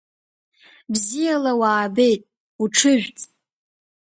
Бзиала уаабеит, уҽыжәҵ!